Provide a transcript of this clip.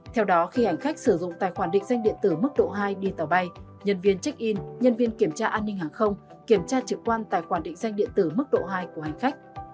theo đó khi hành khách sử dụng tài khoản định danh điện tử mức độ hai đi tàu bay nhân viên check in nhân viên kiểm tra an ninh hàng không kiểm tra trực quan tài khoản định danh điện tử mức độ hai của hành khách